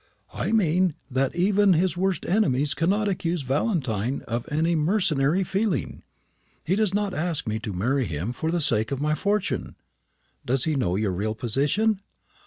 "I mean, that even his worst enemies cannot accuse Valentine of any mercenary feeling. He does not ask me to marry him for the sake of my fortune." "Does he know your real position?"